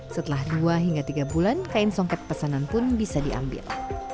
setelah dua hingga tiga bulan kain songket pesanan pun bisa diambil